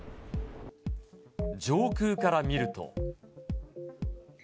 上空から見ると。